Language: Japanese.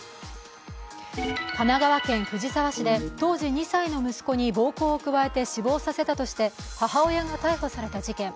神奈川県藤沢市で当時２歳の息子に暴行を加えて死亡させたとして母親が逮捕された事件。